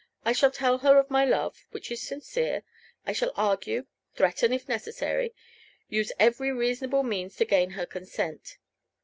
I shall tell her of my love, which is sincere; I shall argue threaten, if necessary; use every reasonable means to gain her consent."